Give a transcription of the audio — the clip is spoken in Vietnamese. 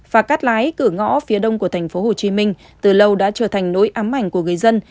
và cắt lái cửa ngõ phía đông của tp hcm từ lâu đã trở thành nỗi ám ảnh của người dân